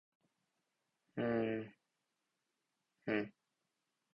ペンギンが砂漠を歩いて、「場違いだけど、冒険は楽しい！」と言った。